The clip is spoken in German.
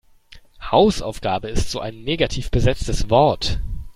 Hausaufgabe ist so ein negativ besetztes Wort.